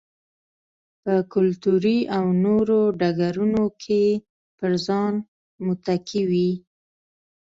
په کلتوري او نورو ډګرونو کې پر ځان متکي وي.